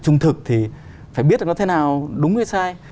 trung thực thì phải biết là nó thế nào đúng hay sai